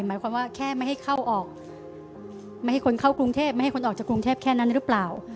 หมายความว่าแค่ไม่ให้เข้าออกไม่ให้คนเข้ากรุงเทพไม่ให้คนออกจากกรุงเทพแค่นั้นหรือเปล่า